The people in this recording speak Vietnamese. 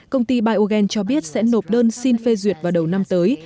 công ty biogen cho biết sẽ nộp đơn xin phê duyệt vào đầu năm tới